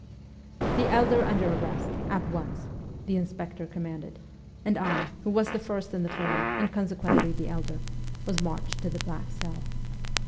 ' The elder under arrest, at once !' the inspector commanded ; and I, who was the first in the form, and consequently the elder, was marched to the black cell.